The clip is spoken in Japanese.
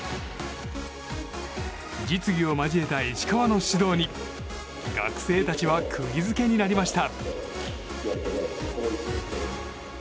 実技を交えた石川の指導に学生たちはくぎ付けになりました。